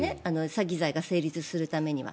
詐欺罪が成立するためには。